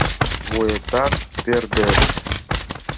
Вуетат пӧрдеш».